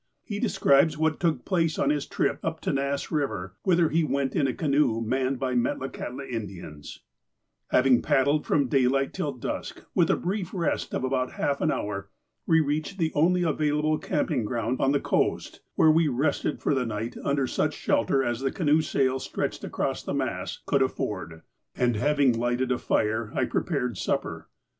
He describes what took place on his trip up to Kass River, whither he went in a canoe manned by Metla kahtla Indians : "Having paddled from daylight till dusk, with a brief rest of about half an hour, we reached the only available camping ground on the coast, where we rested for the night under such shelter as the canoe sail, stretched across the mast, could afford. And, having lighted a fire, I prepared supper.